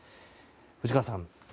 藤川さん